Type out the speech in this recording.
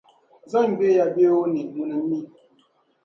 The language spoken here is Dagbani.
Zom’ gbihiya bee o ne ŋuna m-mi?